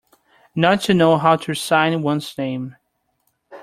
Not to know how to sign one's name.